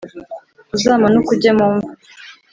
uzamanuka ujye mu mva